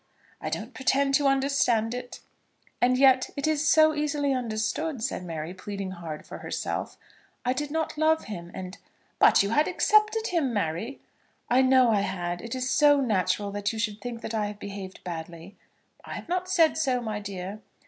"I don't pretend to understand it." "And yet it is so easily understood!" said Mary, pleading hard for herself. "I did not love him, and " "But you had accepted him, Mary." "I know I had. It is so natural that you should think that I have behaved badly." "I have not said so, my dear."